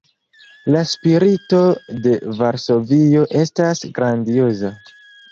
La spirito de Varsovio estas grandioza.